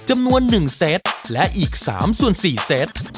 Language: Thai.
จำนวน๑เซตและอีก๓ส่วน๔เซต